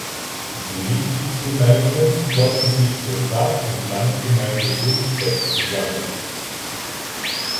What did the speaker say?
Die Mitgliedsgemeinden schlossen sich zur Stadt und Landgemeinde Buttstädt zusammen.